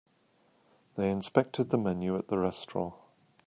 They inspected the menu at the restaurant.